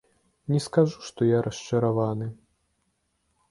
Не скажу, што я расчараваны.